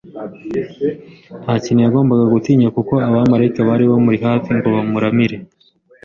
nta kintu yagombaga gutinya kuko abamarayika bari bamuri hafi ngo bamuramire.